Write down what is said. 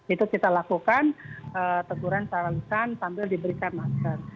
itu kita lakukan teguran secara lisan sambil diberikan masker